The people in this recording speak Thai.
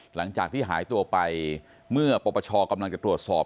หลังจากที่หายตัวไปเมื่อปปชกำลังจะตรวจสอบ